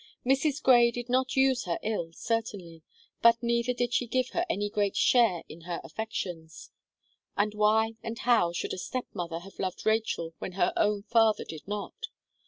Mrs. Gray did not use her ill certainly, but neither did she give her any great share in her affections. And why and how should a step mother have loved Rachel when her own father did not?